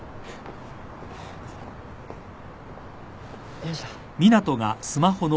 よいしょ。